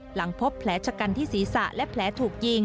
หลังพบแผลชะกันที่ศีรษะและแผลถูกยิง